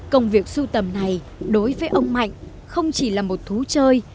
công việc sưu tầm này đối với ông mạnh không chỉ là một thú chơi